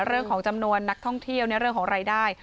เรื่องของจำนวนนักท่องเที่ยวในเรื่องของรายได้